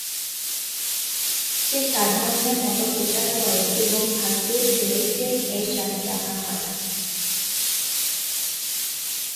সে সাধারণের মত পোশাক পরে এবং ভাগ্যের ফেরে ফেং এর সাথে দেখা হয়।